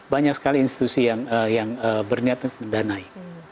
banyak sekali institusi yang berniat mendanai